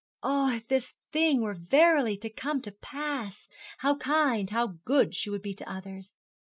Ah! if this thing were verily to come to pass, how kind, how good she would be to others!